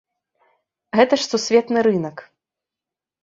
Гэта ж сусветны рынак!